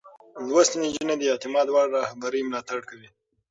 لوستې نجونې د اعتماد وړ رهبرۍ ملاتړ کوي.